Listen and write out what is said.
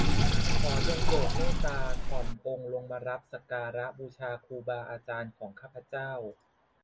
ขอจงโปรดเมตตาถ่อมองค์ลงมารับสักการะบูชาครูบาอาจารย์ของข้าพเจ้า